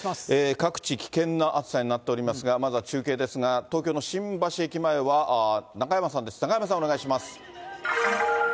各地、危険な暑さになっておりますが、まずは中継ですが、東京の新橋駅前は中山さんです、中山さん、お願いします。